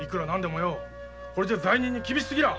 これじゃ罪人に厳しすぎらぁ！